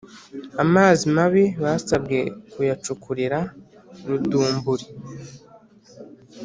amazi mabi basabwe kuyacukurira rudumburi